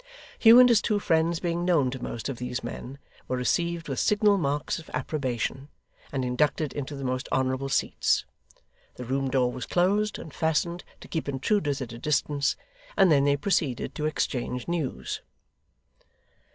Hugh and his two friends being known to most of these men, were received with signal marks of approbation, and inducted into the most honourable seats. The room door was closed and fastened to keep intruders at a distance, and then they proceeded to exchange news.